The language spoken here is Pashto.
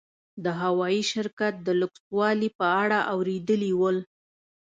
د هوايي شرکت د لوکسوالي په اړه اورېدلي ول.